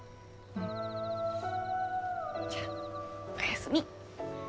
じゃあおやすみ。